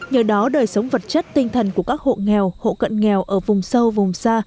nhờ đó đời sống vật chất tinh thần của các hộ nghèo hộ cận nghèo ở vùng sâu vùng xa